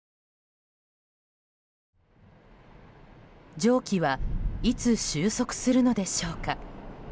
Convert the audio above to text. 蒸気はいつ収束するのでしょうか。